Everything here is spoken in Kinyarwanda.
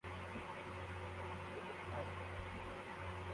Umuhungu wambaye ingofero yumuhungu numuhungu wambaye umupira